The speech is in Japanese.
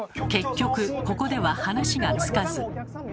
結局ここでは話がつかず。